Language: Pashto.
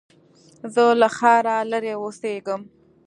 زه له ښاره لرې اوسېږم